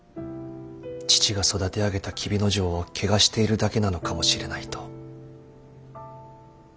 父が育て上げた黍之丞を汚しているだけなのかもしれないと。